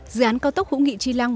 dự án cao tốc hữu nghị chi lăng